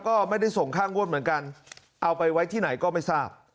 ก็ไม่ได้ส่งค่างวดเหมือนกันเอาไปไว้ที่ไหนก็ไม่ทราบ